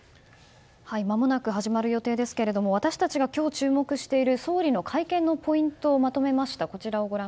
まもなく始まる予定ですけども私たちが今日、注目している総理の会見のポイントをまとめました。